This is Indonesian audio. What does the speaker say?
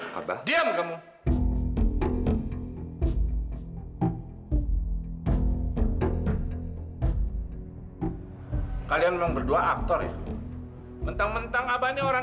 sampai jumpa di video selanjutnya